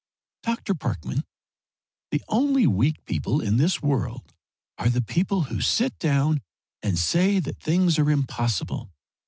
"Dr. Parkman, the only weak people in this world are the people who sit down and say that things are impossible.